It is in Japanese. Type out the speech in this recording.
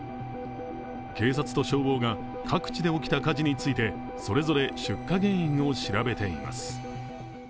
警察と消防が各地で起きた火事について、それぞれ出火原因を調べています。